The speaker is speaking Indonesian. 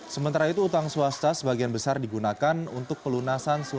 sementara itu utang swasta sebagian besar digunakan untuk pelunasan